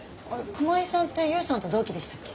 熊井さんって勇さんと同期でしたっけ？